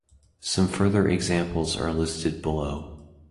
Some further examples are listed below.